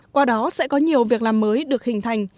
qua đó sẽ có nhiều việc làm mới được hình thành